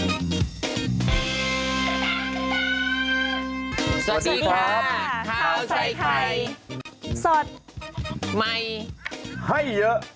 สวัสดีครับข้าวใส่ไข่สดใหม่ให้เยอะ